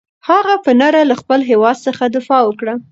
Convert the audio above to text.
هغه په نره له خپل هېواد څخه دفاع وکړه.